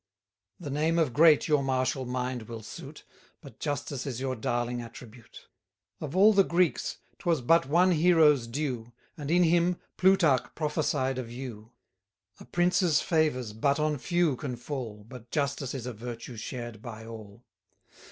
The name of Great your martial mind will suit; But justice is your darling attribute: Of all the Greeks, 'twas but one hero's due, And, in him, Plutarch prophesied of you. A prince's favours but on few can fall, But justice is a virtue shared by all.